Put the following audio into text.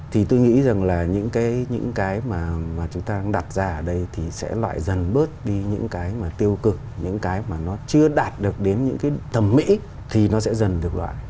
thì tôi nghĩ rằng là những cái những cái mà chúng ta đặt ra ở đây thì sẽ loại dần bớt đi những cái mà tiêu cực những cái mà nó chưa đạt được đến những cái thẩm mỹ thì nó sẽ dần được loại